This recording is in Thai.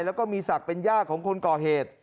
แล้วก็มีศักดิ์เป็นย่าของคนก่อเหตุ